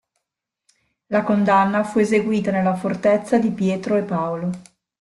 La condanna fu eseguita nella fortezza di Pietro e Paolo.